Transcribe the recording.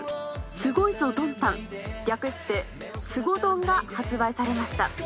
『すごいぞどんタン』略して『すごどん』が発売されました」